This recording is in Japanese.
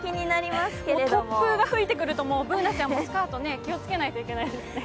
突風が吹いてくるとＢｏｏｎａちゃんもスカート、気をつけないといけないですね。